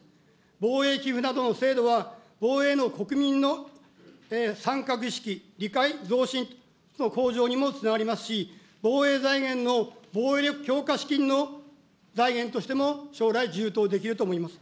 防衛寄付などの制度は、防衛への国民の参画意識、理解増進の更新にもつながりますし、防衛財源の、防衛力強化資金の財源としても将来、充当できると思います。